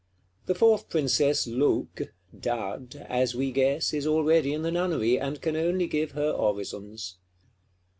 The fourth Princess Loque (Dud), as we guess, is already in the Nunnery, and can only give her orisons.